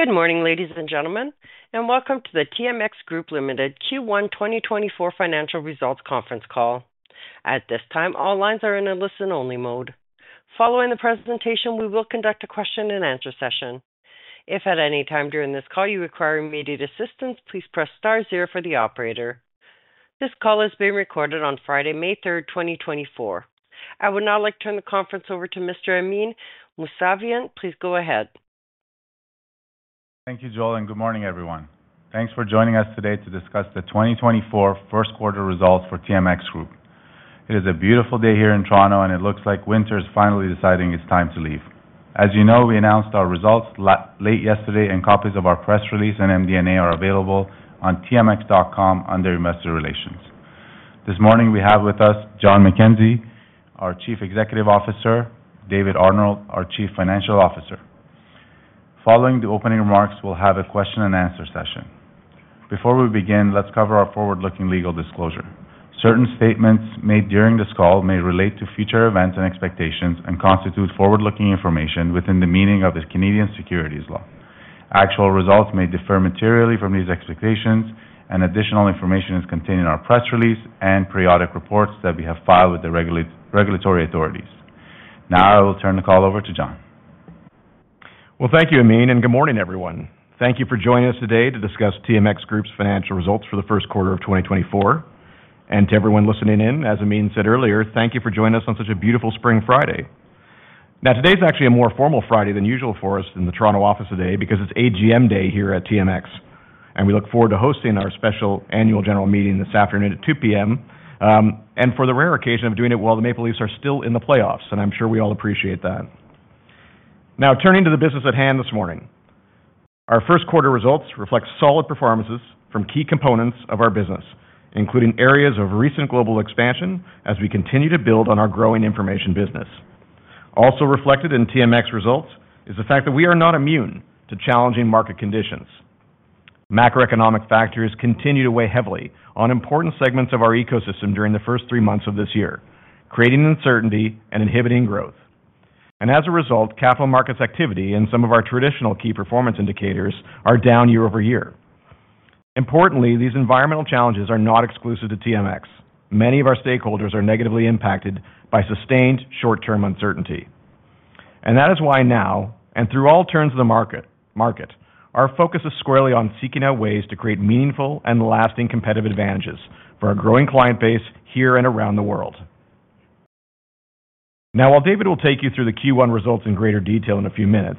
Good morning, ladies and gentlemen, and welcome to the TMX Group Limited Q1 2024 Financial Results Conference call. At this time, all lines are in a listen-only mode. Following the presentation, we will conduct a question-and-answer session. If at any time during this call you require immediate assistance, please press star zero for the operator. This call is being recorded on Friday, May 3, 2024. I would now like to turn the conference over to Mr. Amin Mousavian. Please go ahead. Thank you, Zoe, and good morning, everyone. Thanks for joining us today to discuss the 2024 first-quarter results for TMX Group. It is a beautiful day here in Toronto, and it looks like winter is finally deciding it's time to leave. As you know, we announced our results late yesterday, and copies of our press release and MD&A are available on TMX.com under Investor Relations. This morning, we have with us John McKenzie, our Chief Executive Officer, and David Arnold, our Chief Financial Officer. Following the opening remarks, we'll have a question-and-answer session. Before we begin, let's cover our forward-looking legal disclosure. Certain statements made during this call may relate to future events and expectations and constitute forward-looking information within the meaning of Canadian securities law. Actual results may differ materially from these expectations, and additional information is contained in our press release and periodic reports that we have filed with the regulatory authorities. Now I will turn the call over to John. Well, thank you, Amin, and good morning, everyone. Thank you for joining us today to discuss TMX Group's financial results for the first quarter of 2024. And to everyone listening in, as Amin said earlier, thank you for joining us on such a beautiful spring Friday. Now, today's actually a more formal Friday than usual for us in the Toronto office today because it's AGM Day here at TMX, and we look forward to hosting our special annual general meeting this afternoon at 2:00 P.M. And for the rare occasion of doing it while the Maple Leafs are still in the playoffs, and I'm sure we all appreciate that. Now, turning to the business at hand this morning, our first-quarter results reflect solid performances from key components of our business, including areas of recent global expansion as we continue to build on our growing information business. Also reflected in TMX results is the fact that we are not immune to challenging market conditions. Macroeconomic factors continue to weigh heavily on important segments of our ecosystem during the first three months of this year, creating uncertainty and inhibiting growth. As a result, capital markets activity and some of our traditional key performance indicators are down year over year. Importantly, these environmental challenges are not exclusive to TMX. Many of our stakeholders are negatively impacted by sustained short-term uncertainty. That is why now, and through all turns of the market, our focus is squarely on seeking out ways to create meaningful and lasting competitive advantages for our growing client base here and around the world. Now, while David will take you through the Q1 results in greater detail in a few minutes,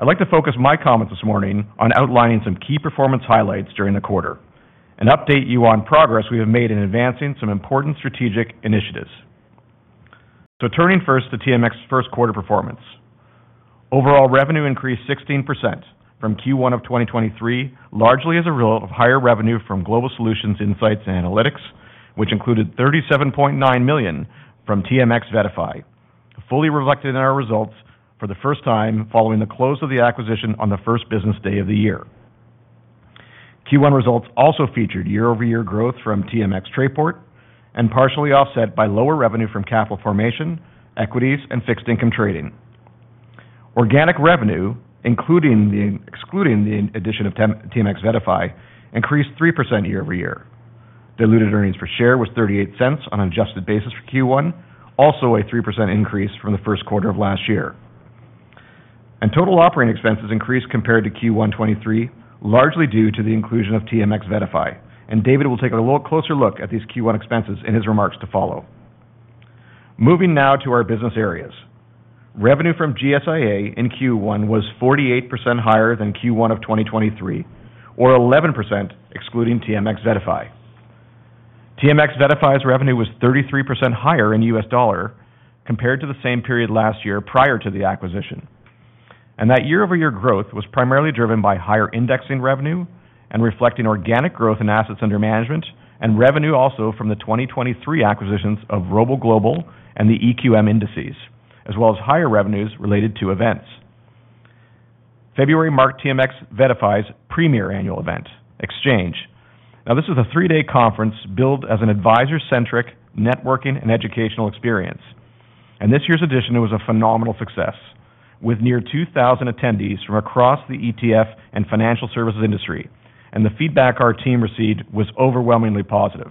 I'd like to focus my comments this morning on outlining some key performance highlights during the quarter and update you on progress we have made in advancing some important strategic initiatives. So turning first to TMX's first-quarter performance. Overall revenue increased 16% from Q1 of 2023, largely as a result of higher revenue from Global Solutions Insights and Analytics, which included 37.9 million from TMX VettaFi, fully reflected in our results for the first time following the close of the acquisition on the first business day of the year. Q1 results also featured year-over-year growth from TMX Trayport and partially offset by lower revenue from capital formation, equities, and fixed-income trading. Organic revenue, excluding the addition of TMX VettaFi, increased 3% year over year. Diluted earnings per share was 0.38 on an adjusted basis for Q1, also a 3% increase from the first quarter of last year. Total operating expenses increased compared to Q1 2023, largely due to the inclusion of TMX VettaFi. David will take a little closer look at these Q1 expenses in his remarks to follow. Moving now to our business areas. Revenue from GSIA in Q1 was 48% higher than Q1 of 2023, or 11% excluding TMX VettaFi. TMX VettaFi's revenue was 33% higher in U.S. dollar compared to the same period last year prior to the acquisition. That year-over-year growth was primarily driven by higher indexing revenue and reflecting organic growth in assets under management and revenue also from the 2023 acquisitions of ROBO Global and the EQM Indexes, as well as higher revenues related to events. February marked TMX VettaFi's premier annual event, Exchange. Now, this was a three-day conference built as an advisor-centric, networking, and educational experience. This year's edition was a phenomenal success with near 2,000 attendees from across the ETF and financial services industry, and the feedback our team received was overwhelmingly positive.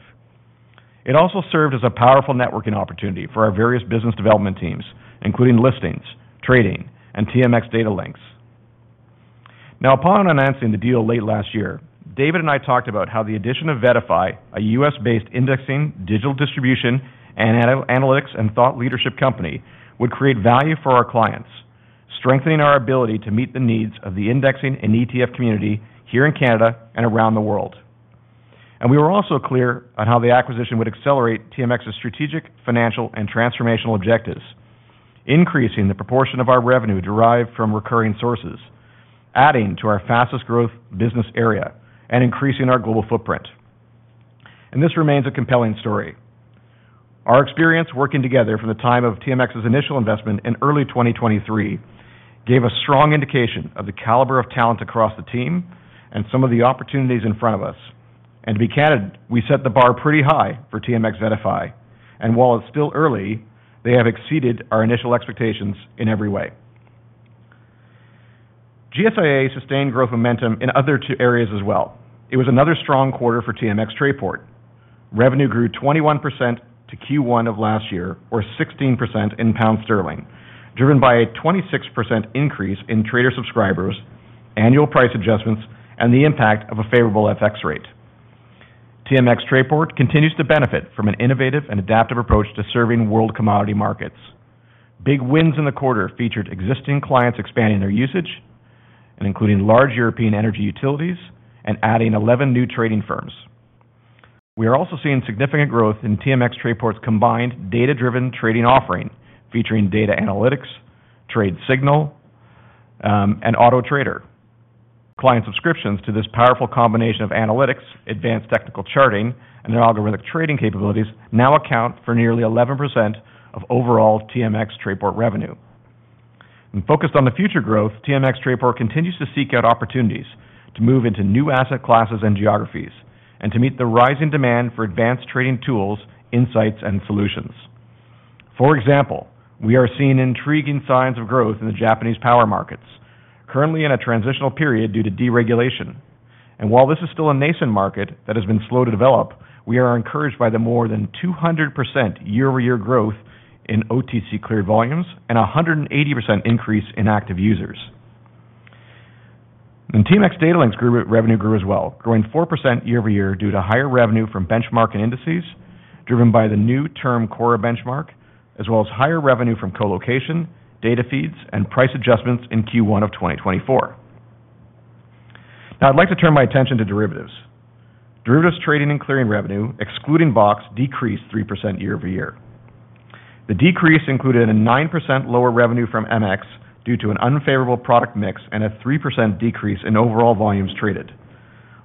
It also served as a powerful networking opportunity for our various business development teams, including listings, trading, and TMX DataLinx. Now, upon announcing the deal late last year, David and I talked about how the addition of VettaFi, a U.S.-based indexing, digital distribution, analytics, and thought leadership company, would create value for our clients, strengthening our ability to meet the needs of the indexing and ETF community here in Canada and around the world. We were also clear on how the acquisition would accelerate TMX's strategic, financial, and transformational objectives, increasing the proportion of our revenue derived from recurring sources, adding to our fastest-growth business area, and increasing our global footprint. This remains a compelling story. Our experience working together from the time of TMX's initial investment in early 2023 gave a strong indication of the caliber of talent across the team and some of the opportunities in front of us. To be candid, we set the bar pretty high for TMX VettaFi. While it's still early, they have exceeded our initial expectations in every way. GSIA sustained growth momentum in other areas as well. It was another strong quarter for TMX Trayport. Revenue grew 21% to Q1 of last year, or 16% in pound sterling, driven by a 26% increase in trader subscribers, annual price adjustments, and the impact of a favorable FX rate. TMX Trayport continues to benefit from an innovative and adaptive approach to serving world commodity markets. Big wins in the quarter featured existing clients expanding their usage and including large European energy utilities and adding 11 new trading firms. We are also seeing significant growth in TMX Trayport's combined data-driven trading offering, featuring data analytics, trade signal, and auto TRADER. Client subscriptions to this powerful combination of analytics, advanced technical charting, and algorithmic trading capabilities now account for nearly 11% of overall TMX Trayport revenue. Focused on the future growth, TMX Trayport continues to seek out opportunities to move into new asset classes and geographies and to meet the rising demand for advanced trading tools, insights, and solutions. For example, we are seeing intriguing signs of growth in the Japanese power markets, currently in a transitional period due to deregulation. And while this is still a nascent market that has been slow to develop, we are encouraged by the more than 200% year-over-year growth in OTC-cleared volumes and a 180% increase in active users. TMX DataLinx Group revenue grew as well, growing 4% year-over-year due to higher revenue from benchmark and indices, driven by the new Term CORRA benchmark, as well as higher revenue from colocation, data feeds, and price adjustments in Q1 of 2024. Now, I'd like to turn my attention to derivatives. Derivatives trading and clearing revenue, excluding BOX, decreased 3% year-over-year. The decrease included a 9% lower revenue from MX due to an unfavorable product mix and a 3% decrease in overall volumes traded.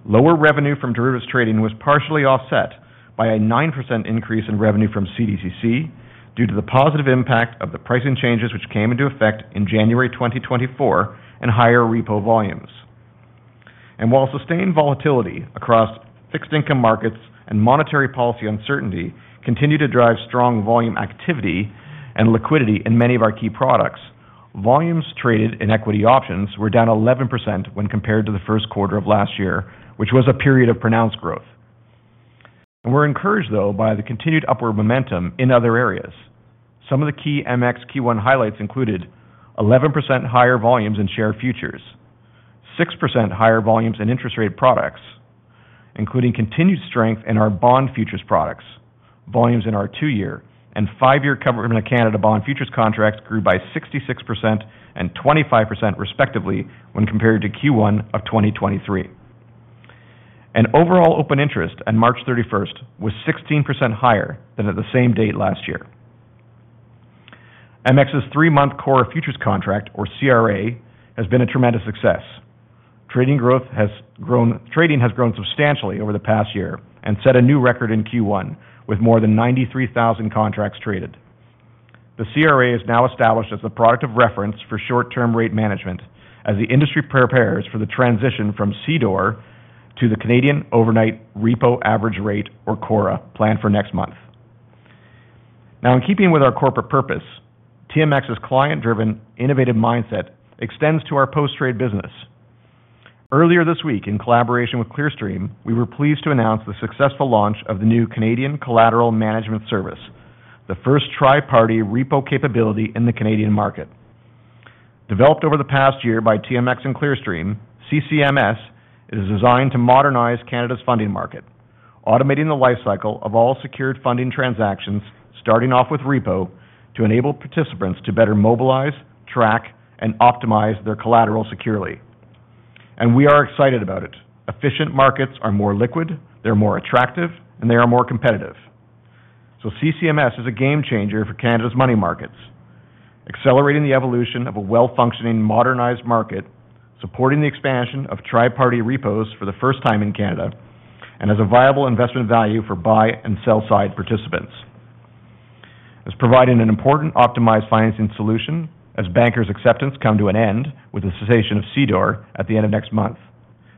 Lower revenue from derivatives trading was partially offset by a 9% increase in revenue from CDCC due to the positive impact of the pricing changes which came into effect in January 2024 and higher repo volumes. While sustained volatility across fixed-income markets and monetary policy uncertainty continue to drive strong volume activity and liquidity in many of our key products, volumes traded in equity options were down 11% when compared to the first quarter of last year, which was a period of pronounced growth. We're encouraged, though, by the continued upward momentum in other areas. Some of the key MX Q1 highlights included 11% higher volumes in share futures, 6% higher volumes in interest-rate products, including continued strength in our bond futures products. Volumes in our two-year and five-year government of Canada bond futures contracts grew by 66% and 25% respectively when compared to Q1 of 2023. Overall open interest on March 31 was 16% higher than at the same date last year. MX's three-month CORRA futures contract, or CRA, has been a tremendous success. Trading has grown substantially over the past year and set a new record in Q1 with more than 93,000 contracts traded. The CRA is now established as the product of reference for short-term rate management as the industry prepares for the transition from CDOR to the Canadian overnight repo average rate, or CORRA, planned for next month. Now, in keeping with our corporate purpose, TMX's client-driven, innovative mindset extends to our post-trade business. Earlier this week, in collaboration with Clearstream, we were pleased to announce the successful launch of the new Canadian Collateral Management Service, the first tri-party repo capability in the Canadian market. Developed over the past year by TMX and Clearstream, CCMS is designed to modernize Canada's funding market, automating the lifecycle of all secured funding transactions, starting off with repo, to enable participants to better mobilize, track, and optimize their collateral securely. We are excited about it. Efficient markets are more liquid, they're more attractive, and they are more competitive. CCMS is a game-changer for Canada's money markets, accelerating the evolution of a well-functioning, modernized market, supporting the expansion of tri-party repos for the first time in Canada, and as a viable investment value for buy- and sell-side participants. It's providing an important optimized financing solution as bankers' acceptance comes to an end with the cessation of CDOR at the end of next month,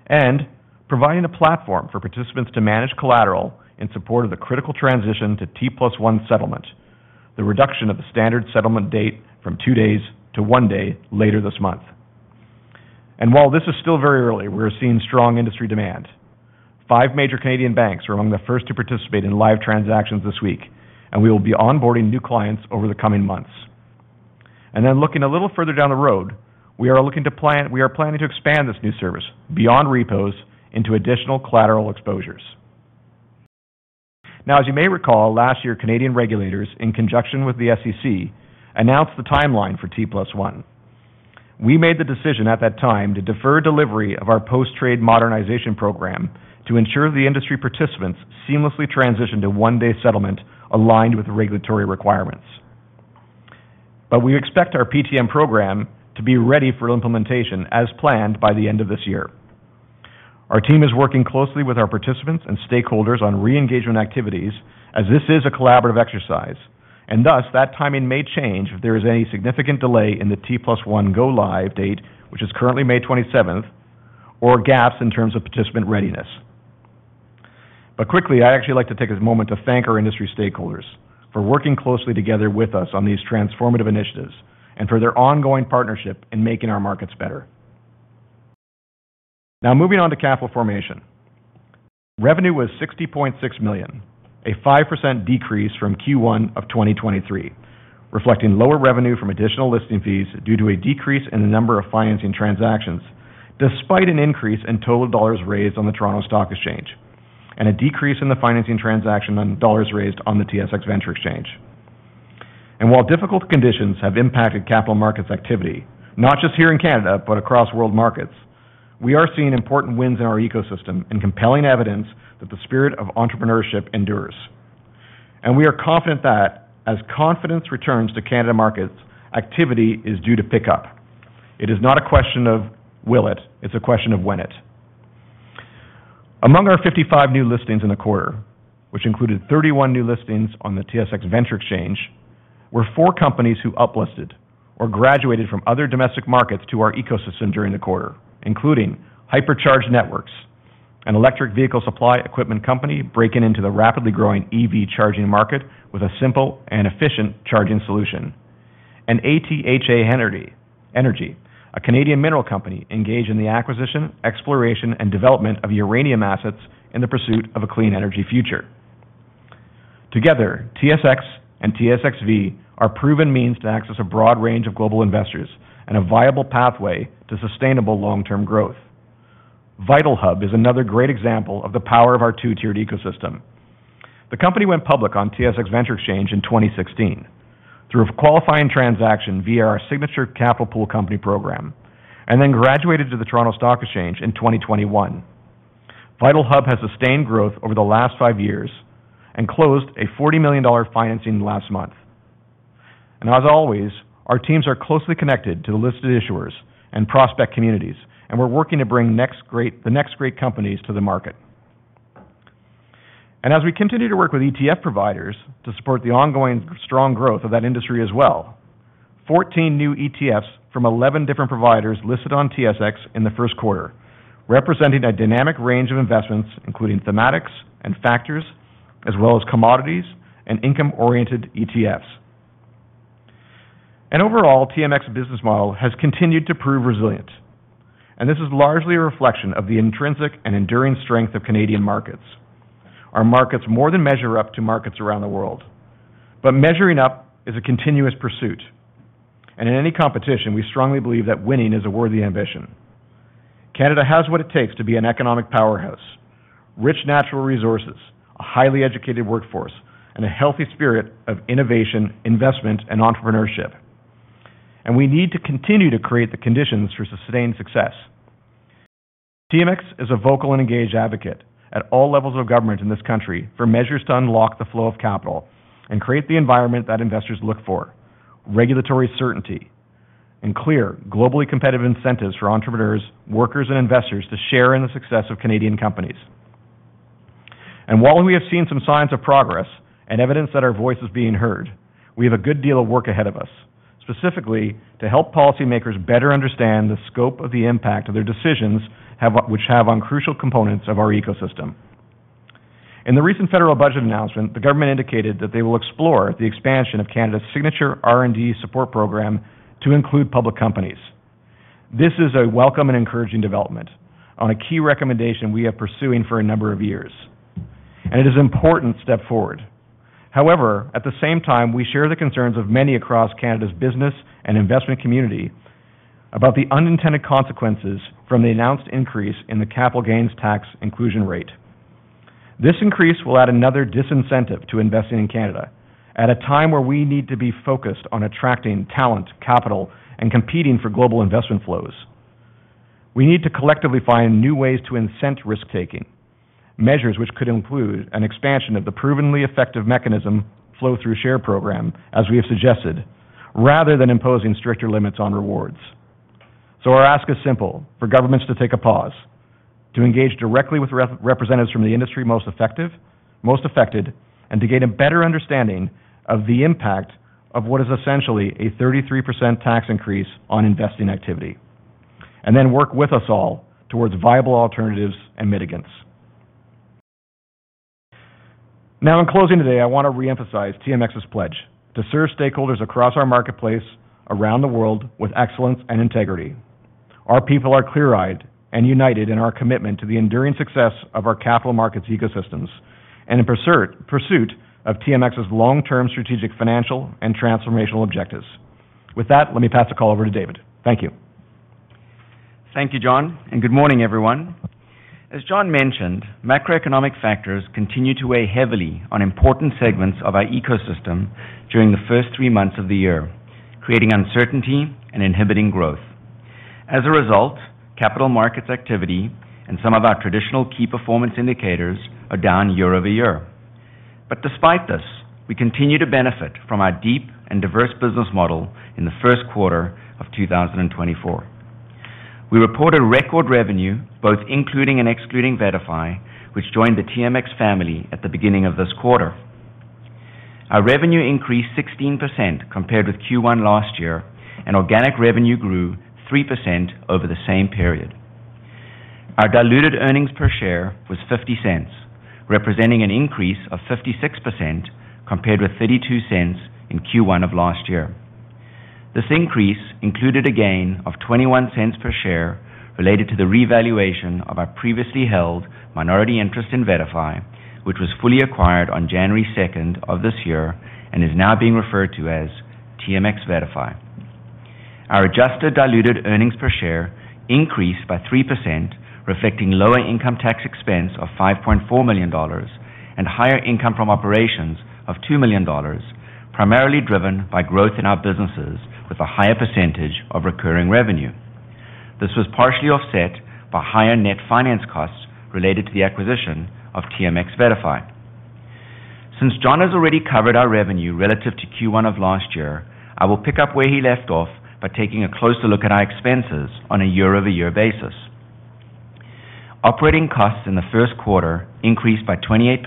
and providing a platform for participants to manage collateral in support of the critical transition to T+1 settlement, the reduction of the standard settlement date from two days to one day later this month. While this is still very early, we are seeing strong industry demand. Five major Canadian banks are among the first to participate in live transactions this week, and we will be onboarding new clients over the coming months. Then looking a little further down the road, we are planning to expand this new service beyond repos into additional collateral exposures. Now, as you may recall, last year, Canadian regulators, in conjunction with the SEC, announced the timeline for T+1. We made the decision at that time to defer delivery of our post-trade modernization program to ensure the industry participants seamlessly transition to one-day settlement aligned with regulatory requirements. But we expect our PTM program to be ready for implementation as planned by the end of this year. Our team is working closely with our participants and stakeholders on re-engagement activities as this is a collaborative exercise. Thus, that timing may change if there is any significant delay in the T+1 Go Live date, which is currently May 27, or gaps in terms of participant readiness. Quickly, I actually like to take a moment to thank our industry stakeholders for working closely together with us on these transformative initiatives and for their ongoing partnership in making our markets better. Now, moving on to capital formation. Revenue was 60.6 million, a 5% decrease from Q1 of 2023, reflecting lower revenue from additional listing fees due to a decrease in the number of financing transactions despite an increase in total dollars raised on the Toronto Stock Exchange and a decrease in the financing transaction on dollars raised on the TSX Venture Exchange. While difficult conditions have impacted capital markets activity, not just here in Canada but across world markets, we are seeing important wins in our ecosystem and compelling evidence that the spirit of entrepreneurship endures. We are confident that, as confidence returns to Canadian markets, activity is due to pick up. It is not a question of will it; it is a question of when it. Among our 55 new listings in the quarter, which included 31 new listings on the TSX Venture Exchange, were 4 companies who uplisted or graduated from other domestic markets to our ecosystem during the quarter, including Hypercharge Networks, an electric vehicle supply equipment company breaking into the rapidly growing EV charging market with a simple and efficient charging solution, and ATHA Energy, a Canadian mineral company engaged in the acquisition, exploration, and development of uranium assets in the pursuit of a clean energy future. Together, TSX and TSXV are proven means to access a broad range of global investors and a viable pathway to sustainable long-term growth. VitalHub is another great example of the power of our two-tiered ecosystem. The company went public on TSX Venture Exchange in 2016 through a qualifying transaction via our signature Capital Pool Company program and then graduated to the Toronto Stock Exchange in 2021. VitalHub has sustained growth over the last 5 years and closed a 40 million dollar financing last month. As always, our teams are closely connected to the listed issuers and prospect communities, and we're working to bring the next great companies to the market. As we continue to work with ETF providers to support the ongoing strong growth of that industry as well, 14 new ETFs from 11 different providers listed on TSX in the first quarter, representing a dynamic range of investments including thematics and factors, as well as commodities and income-oriented ETFs. Overall, TMX's business model has continued to prove resilient. This is largely a reflection of the intrinsic and enduring strength of Canadian markets. Our markets more than measure up to markets around the world. But measuring up is a continuous pursuit. In any competition, we strongly believe that winning is a worthy ambition. Canada has what it takes to be an economic powerhouse: rich natural resources, a highly educated workforce, and a healthy spirit of innovation, investment, and entrepreneurship. We need to continue to create the conditions for sustained success. TMX is a vocal and engaged advocate at all levels of government in this country for measures to unlock the flow of capital and create the environment that investors look for: regulatory certainty and clear, globally competitive incentives for entrepreneurs, workers, and investors to share in the success of Canadian companies. While we have seen some signs of progress and evidence that our voice is being heard, we have a good deal of work ahead of us, specifically to help policymakers better understand the scope of the impact of their decisions which have on crucial components of our ecosystem. In the recent federal budget announcement, the government indicated that they will explore the expansion of Canada's signature R&D support program to include public companies. This is a welcome and encouraging development on a key recommendation we have been pursuing for a number of years. It is important to step forward. However, at the same time, we share the concerns of many across Canada's business and investment community about the unintended consequences from the announced increase in the capital gains tax inclusion rate. This increase will add another disincentive to investing in Canada at a time where we need to be focused on attracting talent, capital, and competing for global investment flows. We need to collectively find new ways to incent risk-taking, measures which could include an expansion of the provenly effective mechanism, Flow-Through Share Program, as we have suggested, rather than imposing stricter limits on rewards. So our ask is simple for governments to take a pause, to engage directly with representatives from the industry most affected, and to gain a better understanding of the impact of what is essentially a 33% tax increase on investing activity, and then work with us all towards viable alternatives and mitigants. Now, in closing today, I want to reemphasize TMX's pledge to serve stakeholders across our marketplace around the world with excellence and integrity. Our people are clear-eyed and united in our commitment to the enduring success of our capital markets ecosystems and in pursuit of TMX's long-term strategic financial and transformational objectives. With that, let me pass the call over to David. Thank you. Thank you, John. Good morning, everyone. As John mentioned, macroeconomic factors continue to weigh heavily on important segments of our ecosystem during the first three months of the year, creating uncertainty and inhibiting growth. As a result, capital markets activity and some of our traditional key performance indicators are down year-over-year. Despite this, we continue to benefit from our deep and diverse business model in the first quarter of 2024. We reported record revenue, both including and excluding VettaFi, which joined the TMX family at the beginning of this quarter. Our revenue increased 16% compared with Q1 last year, and organic revenue grew 3% over the same period. Our diluted earnings per share was 0.50, representing an increase of 56% compared with 0.32 in Q1 of last year. This increase included a gain of 0.21 per share related to the revaluation of our previously held minority interest in VettaFi, which was fully acquired on January 2 of this year and is now being referred to as TMX VettaFi. Our adjusted diluted earnings per share increased by 3%, reflecting lower income tax expense of 5.4 million dollars and higher income from operations of 2 million dollars, primarily driven by growth in our businesses with a higher percentage of recurring revenue. This was partially offset by higher net finance costs related to the acquisition of TMX VettaFi. Since John has already covered our revenue relative to Q1 of last year, I will pick up where he left off by taking a closer look at our expenses on a year-over-year basis. Operating costs in the first quarter increased by 28%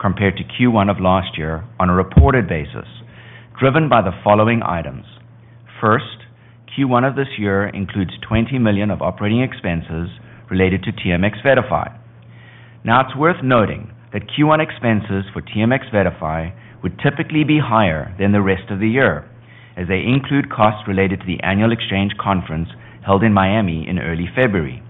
compared to Q1 of last year on a reported basis, driven by the following items. First, Q1 of this year includes 20 million of operating expenses related to TMX VettaFi. Now, it's worth noting that Q1 expenses for TMX VettaFi would typically be higher than the rest of the year as they include costs related to the annual Exchange conference held in Miami in early February.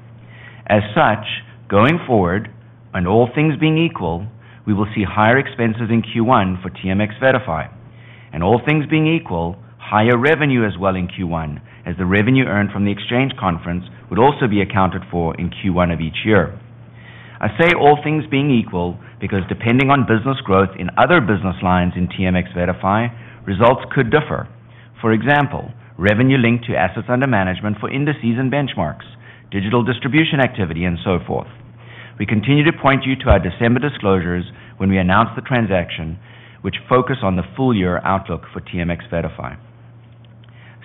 As such, going forward, and all things being equal, we will see higher expenses in Q1 for TMX VettaFi. And all things being equal, higher revenue as well in Q1, as the revenue earned from the Exchange Conference would also be accounted for in Q1 of each year. I say all things being equal because depending on business growth in other business lines in TMX VettaFi, results could differ. For example, revenue linked to assets under management for indices and benchmarks, digital distribution activity, and so forth. We continue to point you to our December disclosures when we announce the transaction, which focus on the full-year outlook for TMX VettaFi.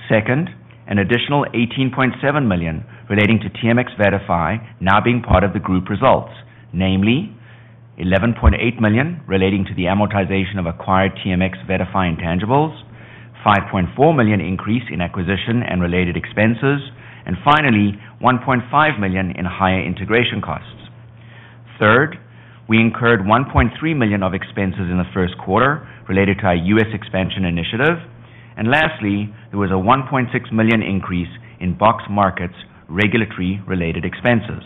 Second, an additional 18.7 million relating to TMX VettaFi now being part of the group results, namely 11.8 million relating to the amortization of acquired TMX VettaFi intangibles, 5.4 million increase in acquisition and related expenses, and finally 1.5 million in higher integration costs. Third, we incurred 1.3 million of expenses in the first quarter related to our US expansion initiative. Lastly, there was a 1.6 million increase in BOX Markets regulatory-related expenses.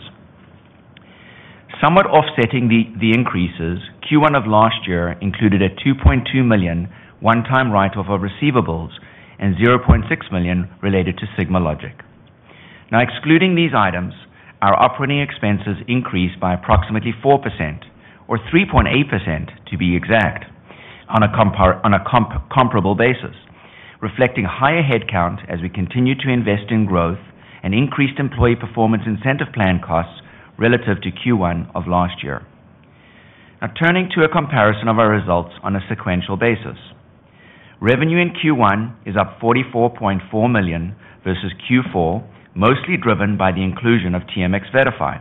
Somewhat offsetting the increases, Q1 of last year included a 2.2 million one-time write-off of receivables and 0.6 million related to SigmaLogic. Now, excluding these items, our operating expenses increased by approximately 4%, or 3.8% to be exact, on a comparable basis, reflecting higher headcount as we continue to invest in growth and increased employee performance incentive plan costs relative to Q1 of last year. Now, turning to a comparison of our results on a sequential basis. Revenue in Q1 is up 44.4 million versus Q4, mostly driven by the inclusion of TMX VettaFi.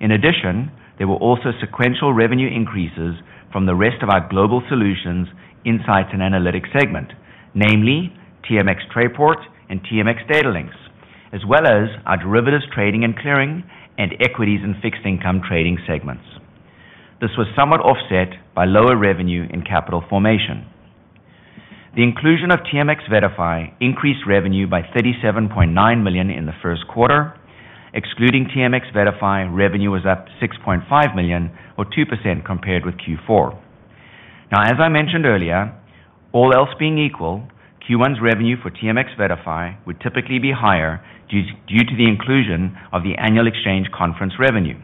In addition, there were also sequential revenue increases from the rest of our global solutions, insights, and analytics segment, namely TMX Trayport and TMX DataLinx, as well as our derivatives trading and clearing and equities and fixed income trading segments. This was somewhat offset by lower revenue in capital formation. The inclusion of TMX VettaFi increased revenue by 37.9 million in the first quarter. Excluding TMX VettaFi, revenue was up 6.5 million, or 2% compared with Q4. Now, as I mentioned earlier, all else being equal, Q1's revenue for TMX VettaFi would typically be higher due to the inclusion of the annual exchange conference revenue.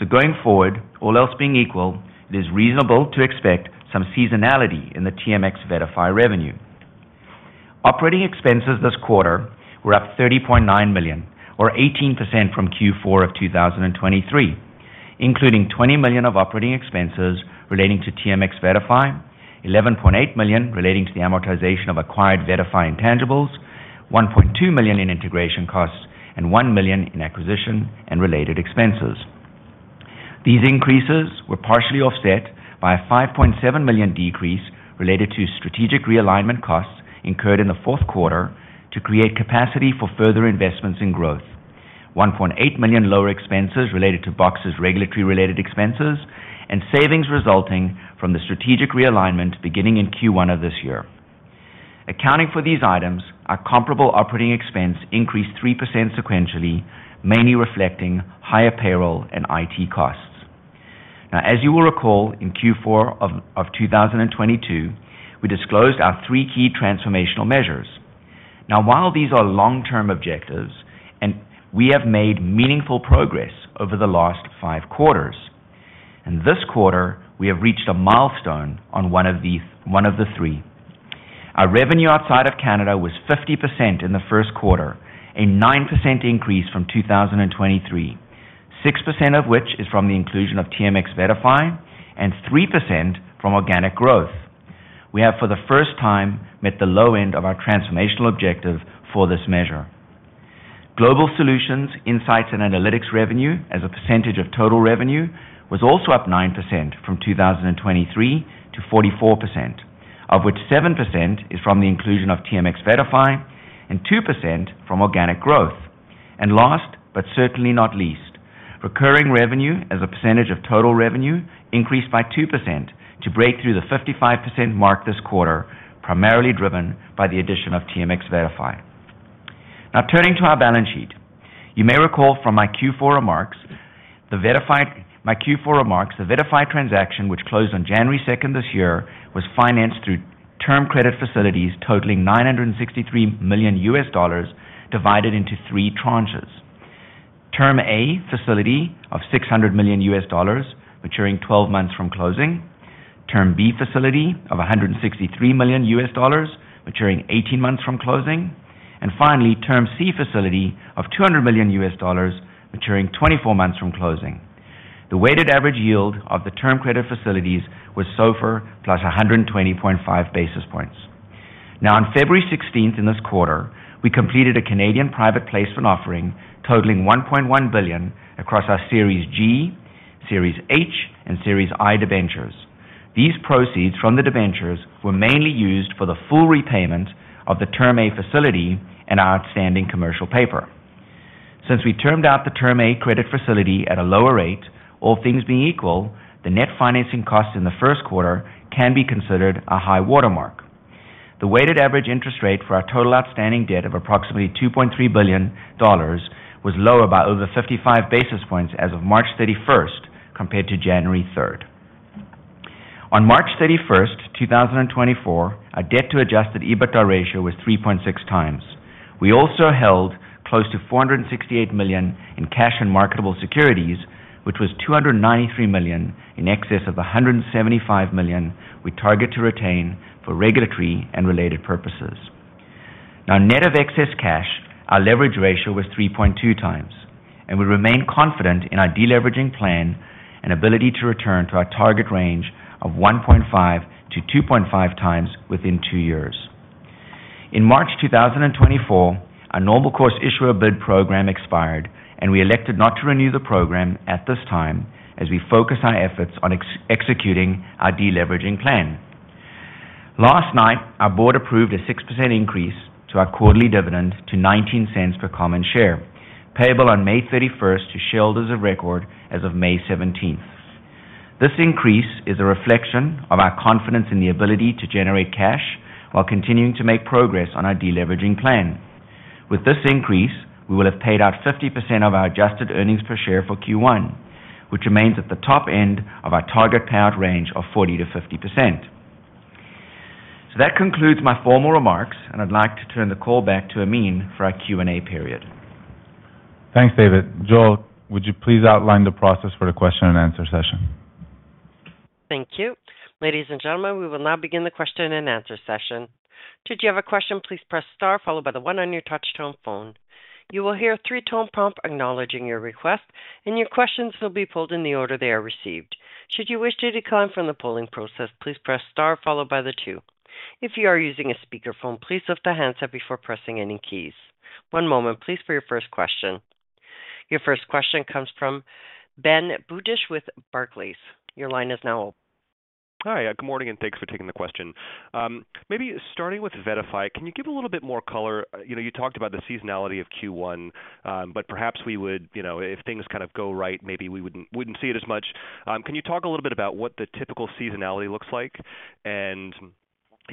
So going forward, all else being equal, it is reasonable to expect some seasonality in the TMX VettaFi revenue. Operating expenses this quarter were up 30.9 million, or 18% from Q4 of 2023, including 20 million of operating expenses relating to TMX VettaFi, 11.8 million relating to the amortization of acquired Verify intangibles, 1.2 million in integration costs, and 1 million in acquisition and related expenses. These increases were partially offset by a 5.7 million decrease related to strategic realignment costs incurred in the fourth quarter to create capacity for further investments in growth, 1.8 million lower expenses related to BOX's regulatory-related expenses, and savings resulting from the strategic realignment beginning in Q1 of this year. Accounting for these items, our comparable operating expense increased 3% sequentially, mainly reflecting higher payroll and IT costs. Now, as you will recall, in Q4 of 2022, we disclosed our three key transformational measures. Now, while these are long-term objectives, we have made meaningful progress over the last five quarters. This quarter, we have reached a milestone on one of the three. Our revenue outside of Canada was 50% in the first quarter, a 9% increase from 2023, 6% of which is from the inclusion of TMX VettaFi and 3% from organic growth. We have, for the first time, met the low end of our transformational objective for this measure. Global solutions, insights, and analytics revenue, as a percentage of total revenue, was also up 9% from 2023 to 44%, of which 7% is from the inclusion of TMX VettaFi and 2% from organic growth. Last but certainly not least, recurring revenue, as a percentage of total revenue, increased by 2% to break through the 55% mark this quarter, primarily driven by the addition of TMX VettaFi. Now, turning to our balance sheet, you may recall from my Q4 remarks, the Verify transaction which closed on January 2 this year was financed through term credit facilities totaling $963 million divided into three tranches: Term A facility of $600 million maturing 12 months from closing, Term B facility of $163 million maturing 18 months from closing, and finally, Term C facility of $200 million maturing 24 months from closing. The weighted average yield of the term credit facilities was SOFR plus 120.5 basis points. Now, on February 16 in this quarter, we completed a Canadian private placement offering totaling 1.1 billion across our Series G, Series H, and Series I debentures. These proceeds from the debentures were mainly used for the full repayment of the Term A facility and our outstanding commercial paper. Since we termed out the Term A credit facility at a lower rate, all things being equal, the net financing cost in the first quarter can be considered a high watermark. The weighted average interest rate for our total outstanding debt of approximately 2.3 billion dollars was lower by over 55 basis points as of March 31 compared to January 3. On March 31, 2024, our debt-to-adjusted EBITDA ratio was 3.6x. We also held close to 468 million in cash and marketable securities, which was 293 million in excess of the 175 million we target to retain for regulatory and related purposes. Now, net of excess cash, our leverage ratio was 3.2 times, and we remain confident in our deleveraging plan and ability to return to our target range of 1.5 to 2.5 times within 2 years. In March 2024, our Normal Course Issuer Bid program expired, and we elected not to renew the program at this time as we focus our efforts on executing our deleveraging plan. Last night, our board approved a 6% increase to our quarterly dividend to 0.19 per common share, payable on May 31 to shareholders of record as of May 17. This increase is a reflection of our confidence in the ability to generate cash while continuing to make progress on our deleveraging plan. With this increase, we will have paid out 50% of our Adjusted Earnings Per Share for Q1, which remains at the top end of our target payout range of 40%-50%. That concludes my formal remarks, and I'd like to turn the call back to Amin for our Q&A period. Thanks, David. Joel, would you please outline the process for the question-and-answer session? Thank you. Ladies and gentlemen, we will now begin the question-and-answer session. Should you have a question, please press star followed by the one on your touch-tone phone. You will hear a three-tone prompt acknowledging your request, and your questions will be pulled in the order they are received. Should you wish to decline from the polling process, please press star followed by the two. If you are using a speakerphone, please lift the handset up before pressing any keys. One moment, please, for your first question. Your first question comes from Ben Budish with Barclays. Your line is now open. Hi. Good morning, and thanks for taking the question. Maybe starting with Verify, can you give a little bit more color? You talked about the seasonality of Q1, but perhaps we would, if things kind of go right, maybe we wouldn't see it as much. Can you talk a little bit about what the typical seasonality looks like and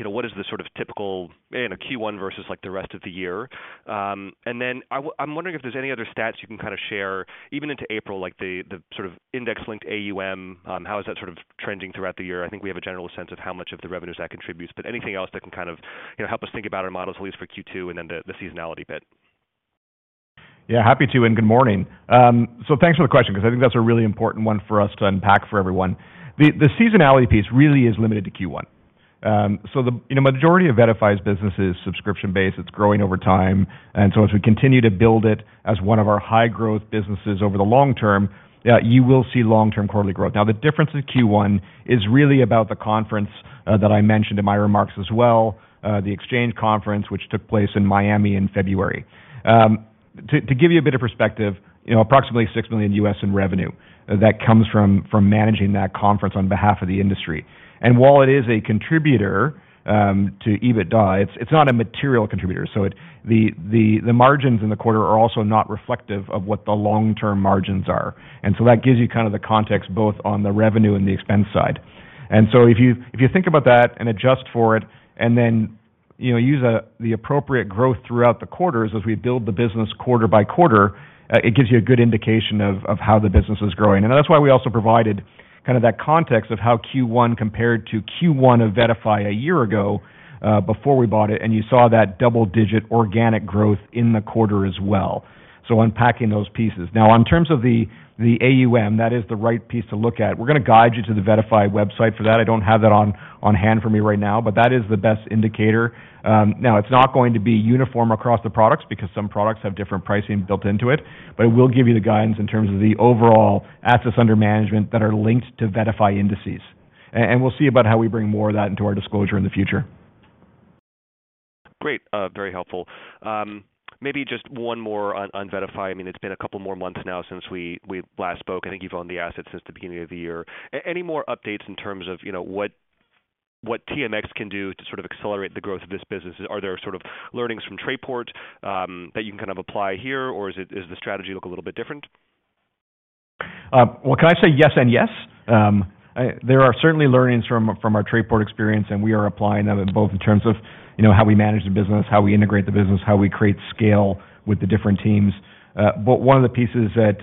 what is the sort of typical Q1 versus the rest of the year? And then I'm wondering if there's any other stats you can kind of share, even into April, like the sort of index-linked AUM, how is that sort of trending throughout the year? I think we have a general sense of how much of the revenues that contributes, but anything else that can kind of help us think about our models, at least for Q2 and then the seasonality bit. Yeah, happy to, and good morning. So thanks for the question because I think that's a really important one for us to unpack for everyone. The seasonality piece really is limited to Q1. So the majority of Verify's business is subscription-based. It's growing over time. And so as we continue to build it as one of our high-growth businesses over the long term, you will see long-term quarterly growth. Now, the difference in Q1 is really about the conference that I mentioned in my remarks as well, the exchange conference, which took place in Miami in February. To give you a bit of perspective, approximately $6 million in revenue that comes from managing that conference on behalf of the industry. And while it is a contributor to EBITDA, it's not a material contributor. So the margins in the quarter are also not reflective of what the long-term margins are. And so that gives you kind of the context both on the revenue and the expense side. And so if you think about that and adjust for it and then use the appropriate growth throughout the quarters as we build the business quarter by quarter, it gives you a good indication of how the business is growing. And that's why we also provided kind of that context of how Q1 compared to Q1 of Verify a year ago before we bought it, and you saw that double-digit organic growth in the quarter as well. So unpacking those pieces. Now, in terms of the AUM, that is the right piece to look at. We're going to guide you to the Verify website for that. I don't have that on hand for me right now, but that is the best indicator. Now, it's not going to be uniform across the products because some products have different pricing built into it, but it will give you the guidance in terms of the overall assets under management that are linked to Verify indices. We'll see about how we bring more of that into our disclosure in the future. Great. Very helpful. Maybe just one more on Verify. I mean, it's been a couple more months now since we last spoke. I think you've owned the assets since the beginning of the year. Any more updates in terms of what TMX can do to sort of accelerate the growth of this business? Are there sort of learnings from TradePort that you can kind of apply here, or does the strategy look a little bit different? Well, can I say yes and yes? There are certainly learnings from our Trayport experience, and we are applying them both in terms of how we manage the business, how we integrate the business, how we create scale with the different teams. But one of the pieces that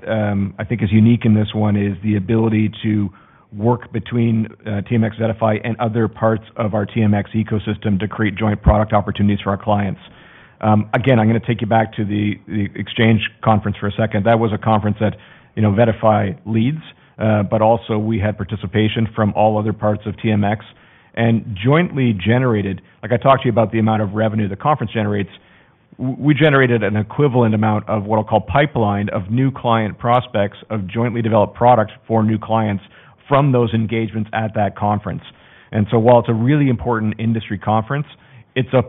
I think is unique in this one is the ability to work between TMX VettaFi and other parts of our TMX ecosystem to create joint product opportunities for our clients. Again, I'm going to take you back to the exchange conference for a second. That was a conference that Verify leads, but also we had participation from all other parts of TMX and jointly generated. Like I talked to you about the amount of revenue the conference generates, we generated an equivalent amount of what I'll call pipeline of new client prospects of jointly developed products for new clients from those engagements at that conference. So while it's a really important industry conference, it's a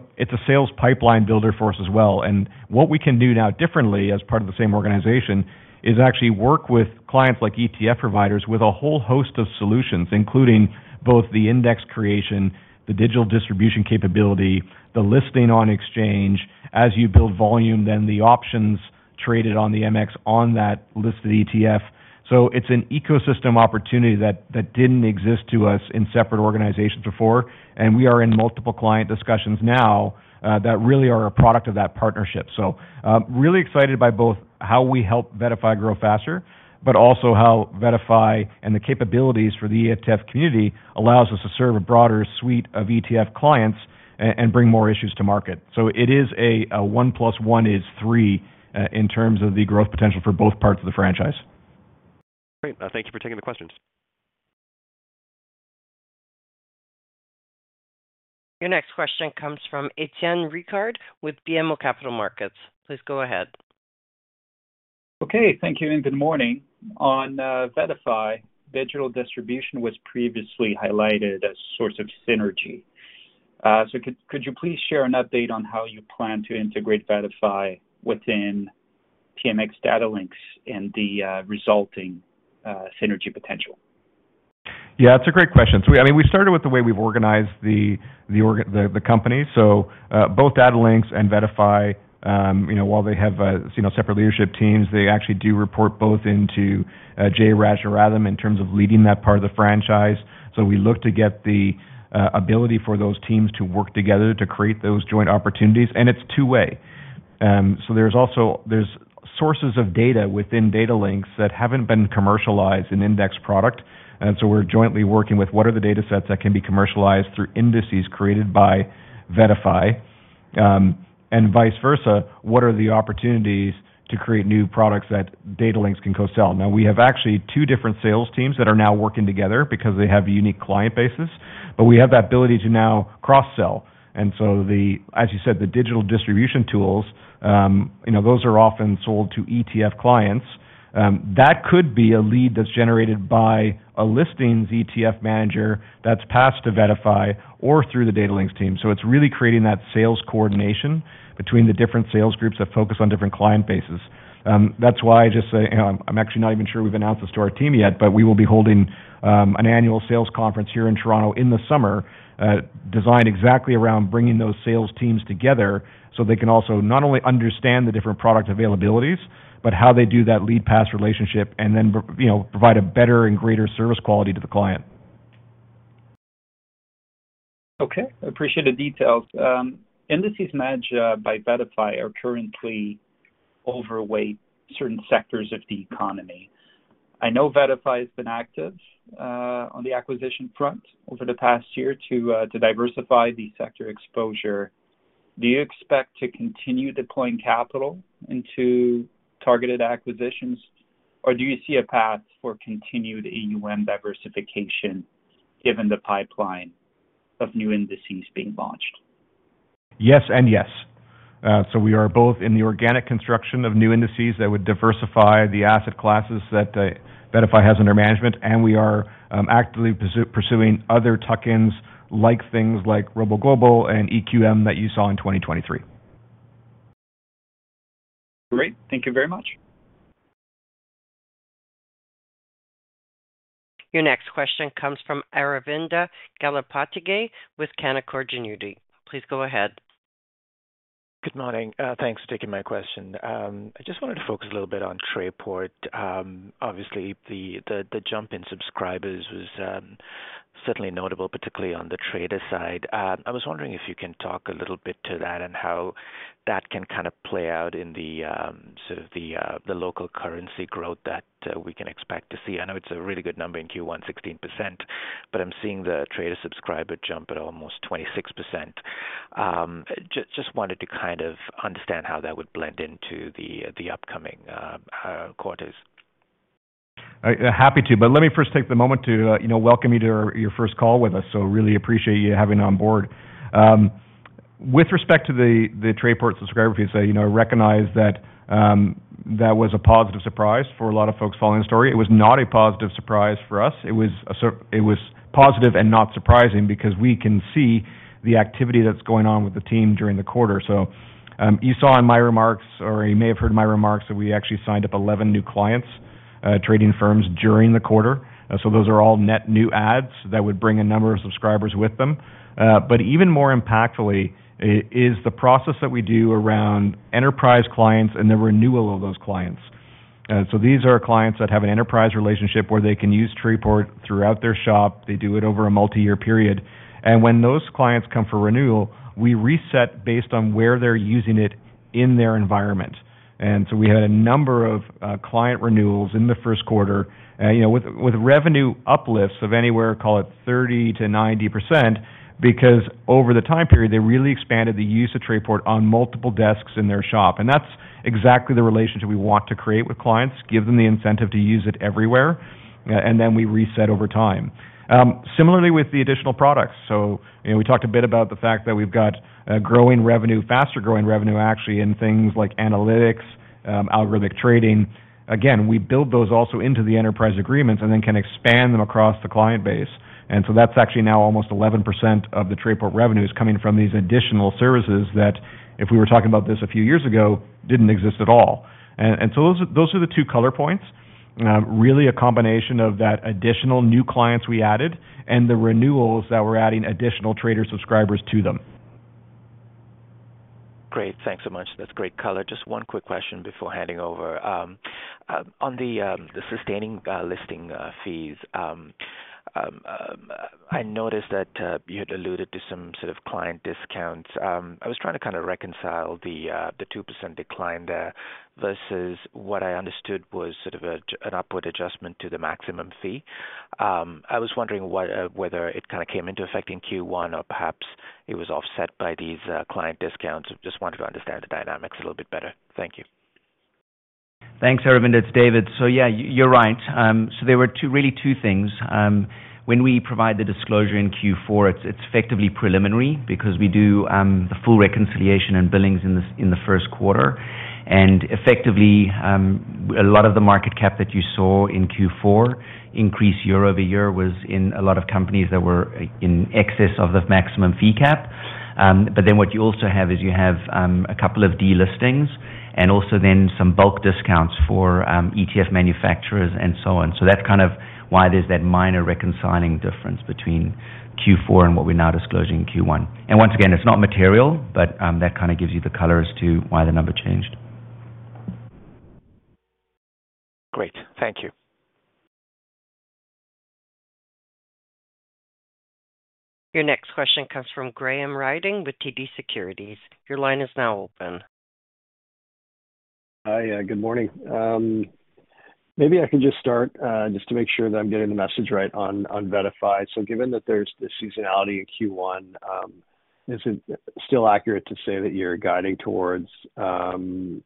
sales pipeline builder for us as well. And what we can do now differently as part of the same organization is actually work with clients like ETF providers with a whole host of solutions, including both the index creation, the digital distribution capability, the listing on exchange. As you build volume, then the options traded on the MX on that listed ETF. So it's an ecosystem opportunity that didn't exist to us in separate organizations before. And we are in multiple client discussions now that really are a product of that partnership. So really excited by both how we help Verify grow faster, but also how Verify and the capabilities for the ETF community allows us to serve a broader suite of ETF clients and bring more issues to market. So it is a 1 + 1 is 3 in terms of the growth potential for both parts of the franchise. Great. Thank you for taking the questions. Your next question comes from Étienne Ricard with BMO Capital Markets. Please go ahead. Okay. Thank you, and good morning. On Verify, digital distribution was previously highlighted as a source of synergy. Could you please share an update on how you plan to integrate Verify within TMX DataLinx and the resulting synergy potential? Yeah, that's a great question. I mean, we started with the way we've organized the company. So both DataLinks and Verify, while they have separate leadership teams, they actually do report both into Jayakumar Rajarathinam in terms of leading that part of the franchise. So we look to get the ability for those teams to work together to create those joint opportunities. And it's two-way. So there's sources of data within DataLinks that haven't been commercialized in index product. And so we're jointly working with what are the datasets that can be commercialized through indices created by Verify? And vice versa, what are the opportunities to create new products that DataLinks can co-sell? Now, we have actually two different sales teams that are now working together because they have unique client bases. But we have that ability to now cross-sell. As you said, the digital distribution tools, those are often sold to ETF clients. That could be a lead that's generated by a listings ETF manager that's passed to Verify or through the DataLinks team. So it's really creating that sales coordination between the different sales groups that focus on different client bases. That's why I just say I'm actually not even sure we've announced this to our team yet, but we will be holding an annual sales conference here in Toronto in the summer designed exactly around bringing those sales teams together so they can also not only understand the different product availabilities, but how they do that lead-pass relationship and then provide a better and greater service quality to the client. Okay. Appreciate the details. Indices managed by Verify are currently overweight certain sectors of the economy. I know Verify has been active on the acquisition front over the past year to diversify the sector exposure. Do you expect to continue deploying capital into targeted acquisitions, or do you see a path for continued AUM diversification given the pipeline of new indices being launched? Yes and yes. So we are both in the organic construction of new indices that would diversify the asset classes that Verify has under management, and we are actively pursuing other tuck-ins like things like RoboGlobal and EQM that you saw in 2023. Great. Thank you very much. Your next question comes from Aravinda Galappatthige with Canaccord Genuity. Please go ahead. Good morning. Thanks for taking my question. I just wanted to focus a little bit on TradePort. Obviously, the jump in subscribers was certainly notable, particularly on the trader side. I was wondering if you can talk a little bit to that and how that can kind of play out in sort of the local currency growth that we can expect to see. I know it's a really good number in Q1, 16%, but I'm seeing the trader subscriber jump at almost 26%. Just wanted to kind of understand how that would blend into the upcoming quarters. Happy to. But let me first take the moment to welcome you to your first call with us. So really appreciate you having on board. With respect to the Trayport subscriber piece, I recognize that that was a positive surprise for a lot of folks following the story. It was not a positive surprise for us. It was positive and not surprising because we can see the activity that's going on with the team during the quarter. So you saw in my remarks, or you may have heard in my remarks, that we actually signed up 11 new clients, trading firms, during the quarter. So those are all net new adds that would bring a number of subscribers with them. But even more impactfully is the process that we do around enterprise clients and the renewal of those clients. These are clients that have an enterprise relationship where they can use Trayport throughout their shop. They do it over a multi-year period. When those clients come for renewal, we reset based on where they're using it in their environment. We had a number of client renewals in the first quarter with revenue uplifts of anywhere, call it 30%-90%, because over the time period, they really expanded the use of Trayport on multiple desks in their shop. That's exactly the relationship we want to create with clients, give them the incentive to use it everywhere, and then we reset over time. Similarly with the additional products. We talked a bit about the fact that we've got growing revenue, faster growing revenue, actually, in things like analytics, algorithmic trading. Again, we build those also into the enterprise agreements and then can expand them across the client base. And so that's actually now almost 11% of the Trayport revenues coming from these additional services that, if we were talking about this a few years ago, didn't exist at all. And so those are the two color points, really a combination of that additional new clients we added and the renewals that were adding additional trader subscribers to them. Great. Thanks so much. That's great color. Just one quick question before handing over. On the sustaining listing fees, I noticed that you had alluded to some sort of client discounts. I was trying to kind of reconcile the 2% decline there versus what I understood was sort of an upward adjustment to the maximum fee. I was wondering whether it kind of came into effect in Q1 or perhaps it was offset by these client discounts. Just wanted to understand the dynamics a little bit better. Thank you. Thanks, Aravinda. It's David. So yeah, you're right. So there were really two things. When we provide the disclosure in Q4, it's effectively preliminary because we do the full reconciliation and billings in the first quarter. And effectively, a lot of the market cap that you saw in Q4 increase year-over-year was in a lot of companies that were in excess of the maximum fee cap. But then what you also have is you have a couple of delistings and also then some bulk discounts for ETF manufacturers and so on. So that's kind of why there's that minor reconciling difference between Q4 and what we're now disclosing in Q1. And once again, it's not material, but that kind of gives you the colors to why the number changed. Great. Thank you. Your next question comes from Graham Ryding with TD Securities. Your line is now open. Hi. Good morning. Maybe I can just start just to make sure that I'm getting the message right on Verify. So given that there's the seasonality in Q1, is it still accurate to say that you're guiding towards $100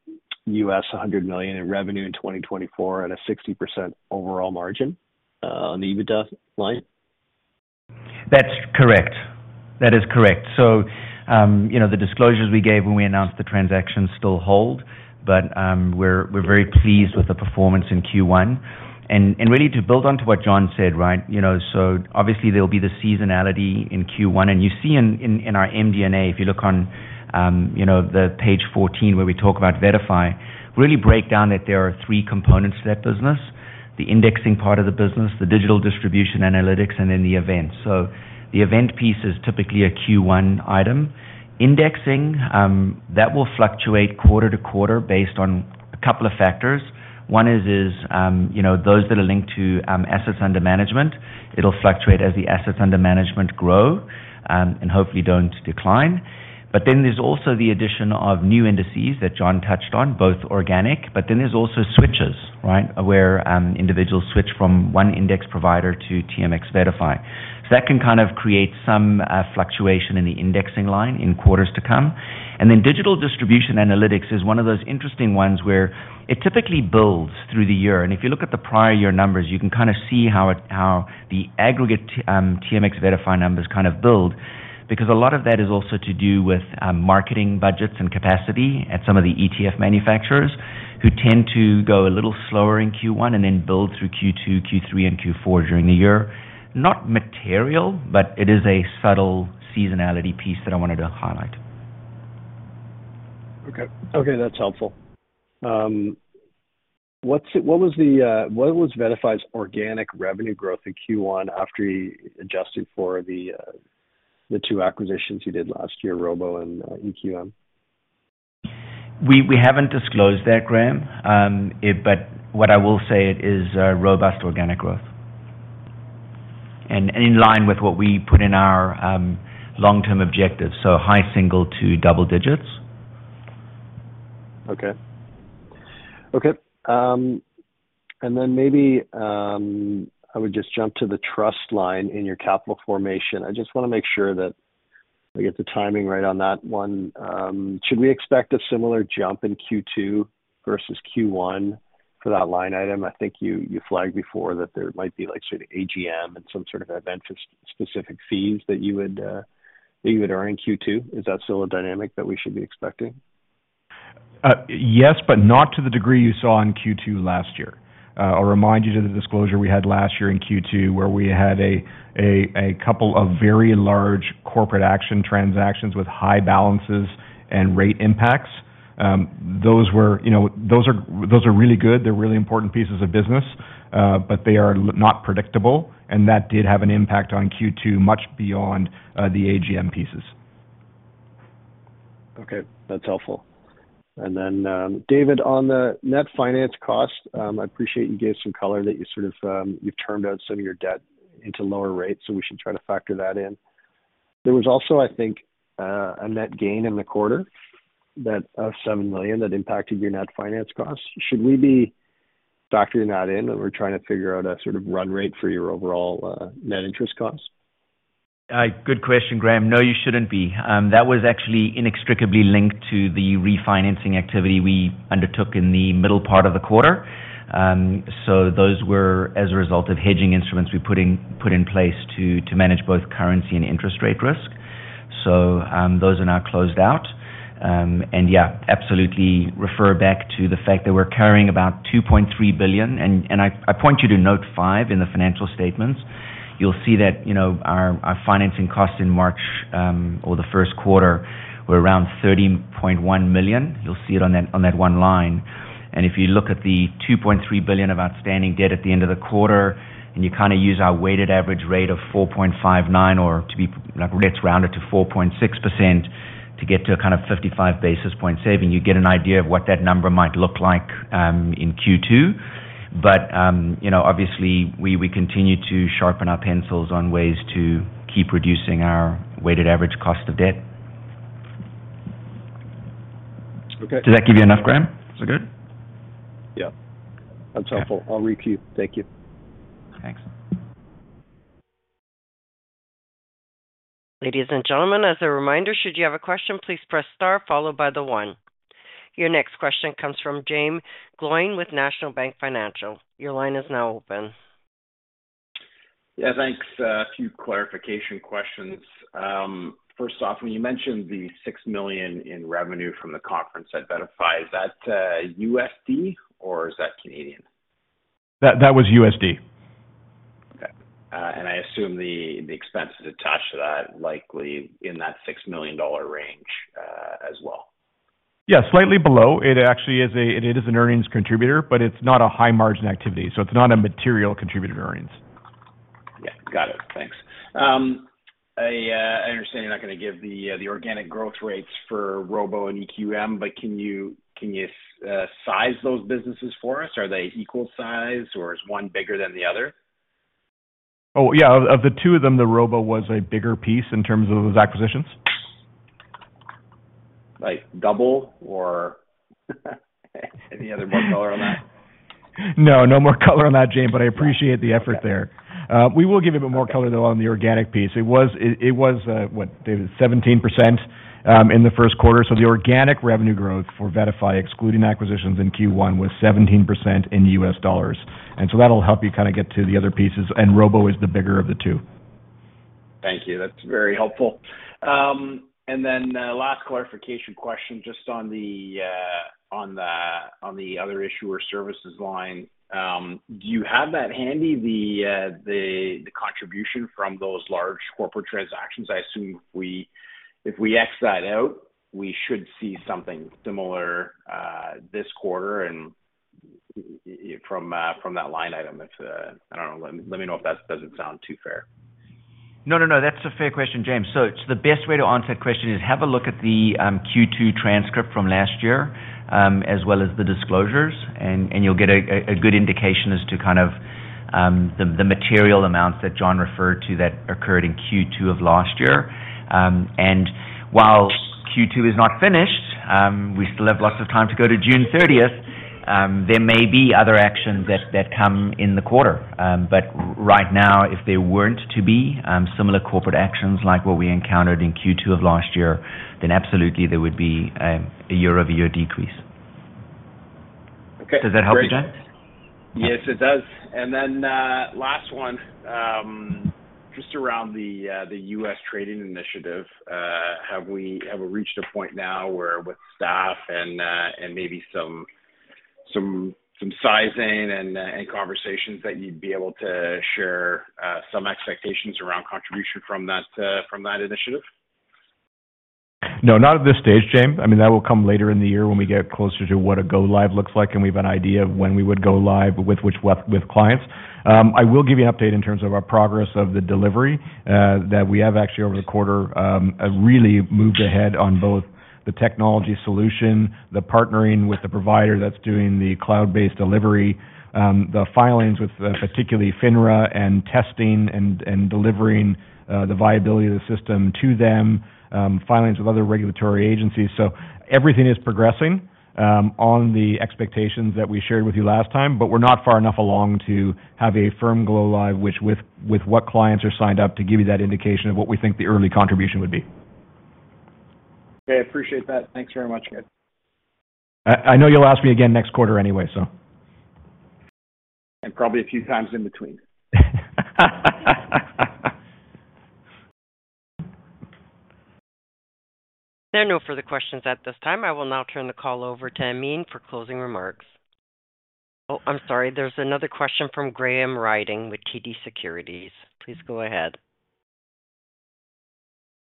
million in revenue in 2024 at a 60% overall margin on the EBITDA line? That's correct. That is correct. So the disclosures we gave when we announced the transactions still hold, but we're very pleased with the performance in Q1. And really, to build onto what John said, right? So obviously, there'll be the seasonality in Q1. And you see in our MD&A, if you look on the page 14 where we talk about Verify, we really break down that there are three components to that business: the indexing part of the business, the digital distribution analytics, and then the events. So the event piece is typically a Q1 item. Indexing, that will fluctuate quarter to quarter based on a couple of factors. One is those that are linked to assets under management. It'll fluctuate as the assets under management grow and hopefully don't decline. But then there's also the addition of new indices that John touched on, both organic. But then there's also switches, right, where individuals switch from one index provider to TMX VettaFi. So that can kind of create some fluctuation in the indexing line in quarters to come. And then digital distribution analytics is one of those interesting ones where it typically builds through the year. And if you look at the prior year numbers, you can kind of see how the aggregate TMX VettaFi numbers kind of build because a lot of that is also to do with marketing budgets and capacity at some of the ETF manufacturers who tend to go a little slower in Q1 and then build through Q2, Q3, and Q4 during the year. Not material, but it is a subtle seasonality piece that I wanted to highlight. Okay. Okay. That's helpful. What was Verify's organic revenue growth in Q1 after you adjusted for the two acquisitions you did last year, ROBO and EQM? We haven't disclosed that, Graham, but what I will say is robust organic growth and in line with what we put in our long-term objectives, so high single to double digits. Okay. Okay. And then maybe I would just jump to the trust line in your capital formation. I just want to make sure that I get the timing right on that one. Should we expect a similar jump in Q2 versus Q1 for that line item? I think you flagged before that there might be sort of AGM and some sort of event-specific fees that you would earn in Q2. Is that still a dynamic that we should be expecting? Yes, but not to the degree you saw in Q2 last year. I'll remind you to the disclosure we had last year in Q2 where we had a couple of very large corporate action transactions with high balances and rate impacts. Those are really good. They're really important pieces of business, but they are not predictable. That did have an impact on Q2 much beyond the AGM pieces. Okay. That's helpful. Then, David, on the net finance cost, I appreciate you gave some color that you sort of you've termed out some of your debt into lower rates, so we should try to factor that in. There was also, I think, a net gain in the quarter of 7 million that impacted your net finance costs. Should we be factoring that in when we're trying to figure out a sort of run rate for your overall net interest costs? Good question, Graham. No, you shouldn't be. That was actually inextricably linked to the refinancing activity we undertook in the middle part of the quarter. So those were, as a result of hedging instruments we put in place to manage both currency and interest rate risk. So those are now closed out. And yeah, absolutely refer back to the fact that we're carrying about 2.3 billion. And I point you to note 5 in the financial statements. You'll see that our financing costs in March or the first quarter were around 30.1 million. You'll see it on that one line. If you look at the 2.3 billion of outstanding debt at the end of the quarter and you kind of use our weighted average rate of 4.59% or to be let's round it to 4.6% to get to a kind of 55 basis point saving, you get an idea of what that number might look like in Q2. But obviously, we continue to sharpen our pencils on ways to keep reducing our weighted average cost of debt. Okay. Does that give you enough, Graham? Is that good? Yeah. That's helpful. I'll repeat. Thank you. Thanks. Ladies and gentlemen, as a reminder, should you have a question, please press star followed by the 1. Your next question comes from Jaeme Gloyn with National Bank Financial. Your line is now open. Yeah. Thanks. A few clarification questions. First off, when you mentioned the $6 million in revenue from the conference at Verify, is that USD, or is that Canadian? That was USD. Okay. And I assume the expenses attached to that likely in that 6 million dollar range as well. Yeah, slightly below. It actually is an earnings contributor, but it's not a high-margin activity. So it's not a material contributed earnings. Yeah. Got it. Thanks. I understand you're not going to give the organic growth rates for Robo and EQM, but can you size those businesses for us? Are they equal size, or is one bigger than the other? Oh, yeah. Of the two of them, the Robo was a bigger piece in terms of those acquisitions. Like double or any other more color on that? No. No more color on that, Jaeme. But I appreciate the effort there. We will give you a bit more color, though, on the organic piece. It was, what, David, 17% in the first quarter. So the organic revenue growth for Verify, excluding acquisitions in Q1, was 17% in U.S. dollars. And Robo is the bigger of the two. Thank you. That's very helpful. And then last clarification question just on the other issuer services line. Do you have that handy, the contribution from those large corporate transactions? I assume if we X that out, we should see something similar this quarter from that line item. I don't know. Let me know if that doesn't sound too fair. No, no, no. That's a fair question, Jaeme. So the best way to answer that question is have a look at the Q2 transcript from last year as well as the disclosures, and you'll get a good indication as to kind of the material amounts that John referred to that occurred in Q2 of last year. And while Q2 is not finished, we still have lots of time to go to June 30th. There may be other actions that come in the quarter. But right now, if there weren't to be similar corporate actions like what we encountered in Q2 of last year, then absolutely, there would be a year-over-year decrease. Does that help you, Jaeme? Yes, it does. And then last one, just around the US trading initiative, have we reached a point now where with staff and maybe some sizing and conversations that you'd be able to share some expectations around contribution from that initiative? No, not at this stage, Jaeme. I mean, that will come later in the year when we get closer to what a go-live looks like and we've an idea of when we would go live with clients. I will give you an update in terms of our progress of the delivery that we have actually over the quarter really moved ahead on both the technology solution, the partnering with the provider that's doing the cloud-based delivery, the filings with particularly FINRA and testing and delivering the viability of the system to them, filings with other regulatory agencies. So everything is progressing on the expectations that we shared with you last time, but we're not far enough along to have a firm go-live which, with what clients are signed up to, give you that indication of what we think the early contribution would be. Okay. I appreciate that. Thanks very much, guys. I know you'll ask me again next quarter anyway, so. And probably a few times in between. There are no further questions at this time. I will now turn the call over to Amin for closing remarks. Oh, I'm sorry. There's another question from Graham Ryding with TD Securities. Please go ahead.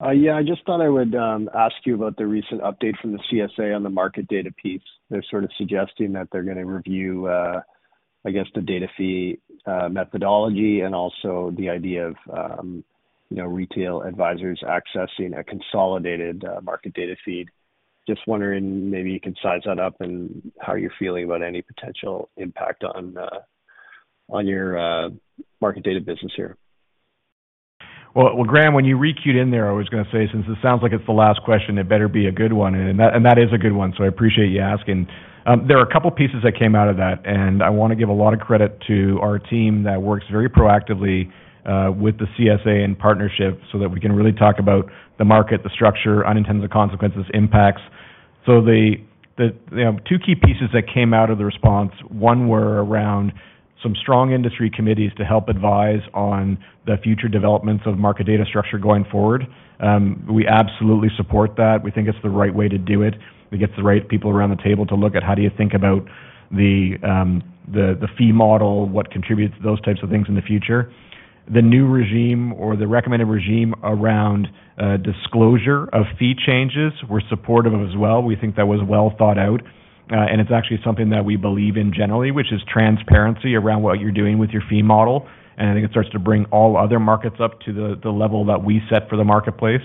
Yeah. I just thought I would ask you about the recent update from the CSA on the market data piece. They're sort of suggesting that they're going to review, I guess, the data fee methodology and also the idea of retail advisors accessing a consolidated market data feed. Just wondering maybe you can size that up and how you're feeling about any potential impact on your market data business here. Well, Graham, when you queued in there, I was going to say, since it sounds like it's the last question, it better be a good one. And that is a good one. So I appreciate you asking. There are a couple of pieces that came out of that, and I want to give a lot of credit to our team that works very proactively with the CSA in partnership so that we can really talk about the market, the structure, unintended consequences, impacts. So the two key pieces that came out of the response, one were around some strong industry committees to help advise on the future developments of market data structure going forward. We absolutely support that. We think it's the right way to do it. It gets the right people around the table to look at how do you think about the fee model, what contributes to those types of things in the future. The new regime or the recommended regime around disclosure of fee changes were supportive as well. We think that was well thought out. It's actually something that we believe in generally, which is transparency around what you're doing with your fee model. I think it starts to bring all other markets up to the level that we set for the marketplace.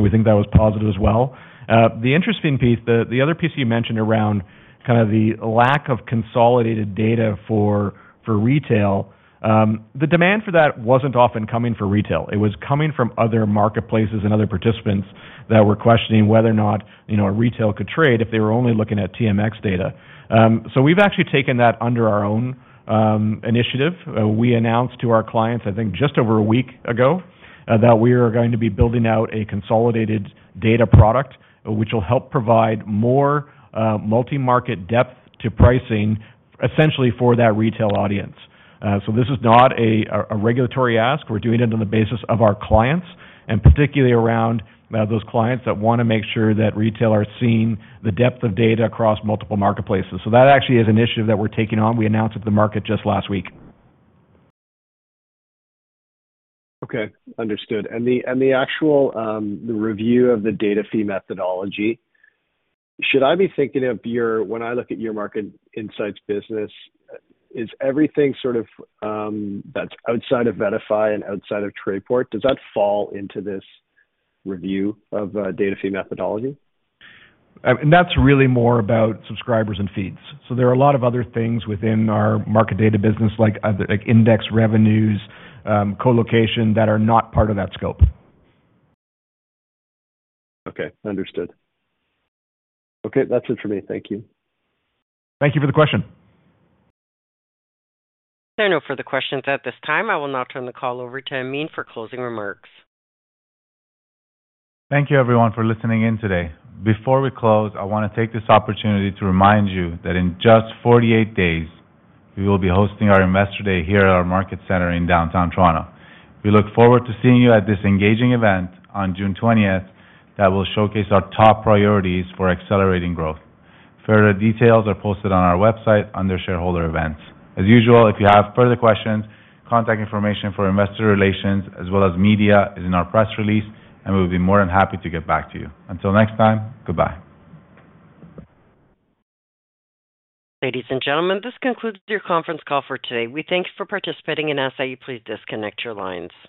We think that was positive as well. The interesting piece, the other piece you mentioned around kind of the lack of consolidated data for retail, the demand for that wasn't often coming from retail. It was coming from other marketplaces and other participants that were questioning whether or not retail could trade if they were only looking at TMX data. So we've actually taken that under our own initiative. We announced to our clients, I think just over a week ago, that we are going to be building out a consolidated data product which will help provide more multi-market depth to pricing, essentially, for that retail audience. So this is not a regulatory ask. We're doing it on the basis of our clients and particularly around those clients that want to make sure that retailers see the depth of data across multiple marketplaces. So that actually is an initiative that we're taking on. We announced it to the market just last week. Okay. Understood. And the actual review of the data fee methodology, should I be thinking of yours when I look at your Market Insights business, is everything sort of that's outside of Verify and outside of TradePort, does that fall into this review of data fee methodology? That's really more about subscribers and feeds. There are a lot of other things within our market data business like index revenues, colocation that are not part of that scope. Okay. Understood. Okay. That's it for me. Thank you. Thank you for the question. There are no further questions at this time. I will now turn the call over to Amin for closing remarks. Thank you, everyone, for listening in today. Before we close, I want to take this opportunity to remind you that in just 48 days, we will be hosting our Investor Day here at our Market Centre in downtown Toronto. We look forward to seeing you at this engaging event on June 20th that will showcase our top priorities for accelerating growth. Further details are posted on our website under shareholder events. As usual, if you have further questions, contact information for investor relations as well as media is in our press release, and we'll be more than happy to get back to you. Until next time, goodbye. Ladies and gentlemen, this concludes your conference call for today. We thank you for participating with us. Please disconnect your lines.